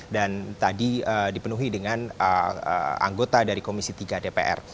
dan tadi dipenuhi dengan anggota dari komisi tiga dpr